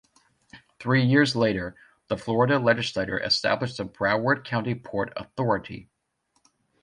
Three years later, the Florida Legislature established the Broward County Port Authority.